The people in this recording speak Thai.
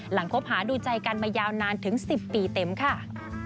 คบหาดูใจกันมายาวนานถึง๑๐ปีเต็มค่ะ